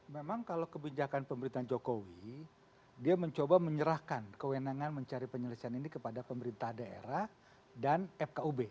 memang kalau kebijakan pemerintahan jokowi dia mencoba menyerahkan kewenangan mencari penyelesaian ini kepada pemerintah daerah dan fkub